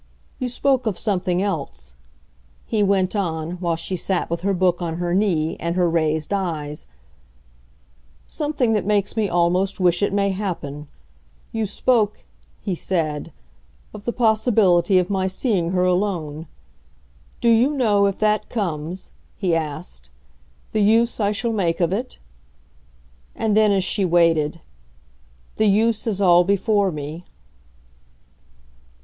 You spoke of something else," he went on, while she sat with her book on her knee and her raised eyes; "something that makes me almost wish it may happen. You spoke," he said, "of the possibility of my seeing her alone. Do you know, if that comes," he asked, "the use I shall make of it?" And then as she waited: "The use is all before me."